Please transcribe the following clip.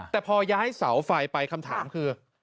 แต่พอย้ายเสาไฟไปคำถามคือ